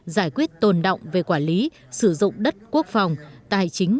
giải quyết tồn động về quản lý sử dụng đất quốc phòng tài chính